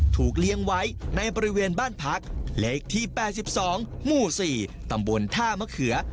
เลี้ยงไว้ในบริเวณบ้านพักเลขที่๘๒หมู่๔ตำบลท่ามะเขือ